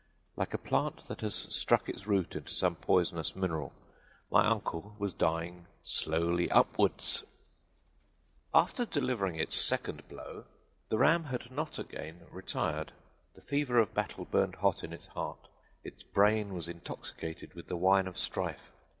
Like a plant that has struck its root into some poisonous mineral, my poor uncle was dying slowly upward. "After delivering its second blow the ram had not again retired. The fever of battle burned hot in its heart; its brain was intoxicated with the wine of strife.